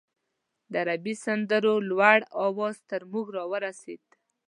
د عربي سندرو لوړ اواز تر موږ راورسېد.